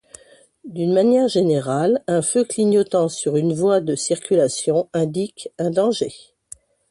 D'une manière générale, un feu clignotant sur une voie de circulation indique un danger.